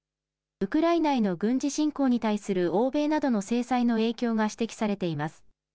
ウクライナへの軍事侵攻に対する欧米などの制裁の影響が指摘されています。